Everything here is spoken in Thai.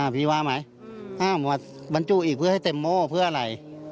พี่งมาไหมมาดาปรันตชุอิคให้เต็มโม่เพื่อไหน